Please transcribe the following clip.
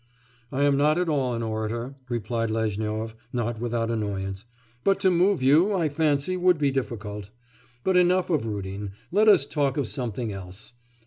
'I am not at all an orator,' replied Lezhnyov, not without annoyance, 'but to move you, I fancy, would be difficult. But enough of Rudin; let us talk of something else.